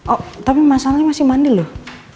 oh tapi masalahnya masih mandi loh